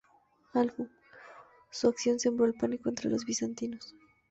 Su acción sembró el pánico entre los bizantinos.